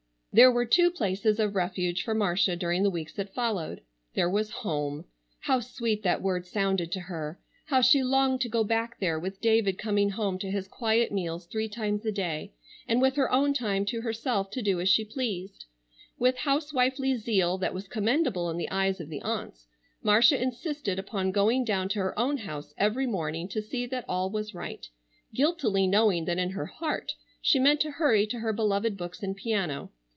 There were two places of refuge for Marcia during the weeks that followed. There was home. How sweet that word sounded to her! How she longed to go back there, with David coming home to his quiet meals three times a day, and with her own time to herself to do as she pleased. With housewifely zeal that was commendable in the eyes of the aunts, Marcia insisted upon going down to her own house every morning to see that all was right, guiltily knowing that in her heart she meant to hurry to her beloved books and piano.